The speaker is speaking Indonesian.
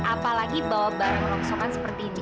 apalagi bawa barang barang sokan seperti ini